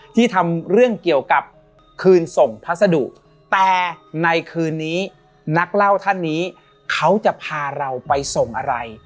ที่ทำเรื่องเกี่ยวกับคืนส่งพัสดุแต่ในคืนนี้นักเล่าท่านนี้เขาจะพาเราไปส่งอะไร